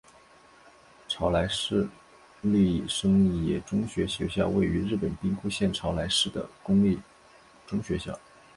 朝来市立生野中学校位于日本兵库县朝来市的公立中学校。